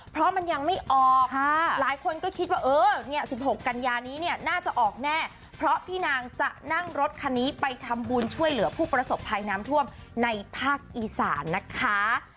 เพราะมันยังไม่ออกหลายคนก็คิดว่าเออเนี่ย๑๖กันยานี้เนี่ยน่าจะออกแน่เพราะพี่นางจะนั่งรถคันนี้ไปทำบุญช่วยเหลือผู้ประสบภัยน้ำท่วมในภาคอีสานนะคะ